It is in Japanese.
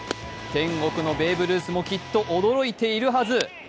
天国のベーブ・ルースもきっと驚いているはず。